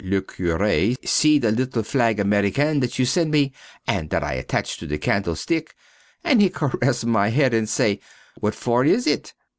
le Curé see the little flag American that you send me and that I attach to the candle stick and he caress my head and say: "What for is it?"